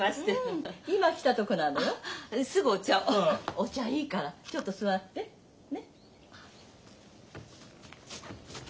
お茶いいからちょっと座って。ね！